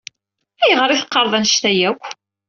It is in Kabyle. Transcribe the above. Ayɣer ay teqqareḍ anect-a akk?